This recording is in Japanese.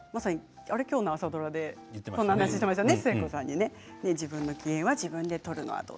今日の朝ドラでこんな話してましたね。